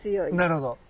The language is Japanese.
なるほど。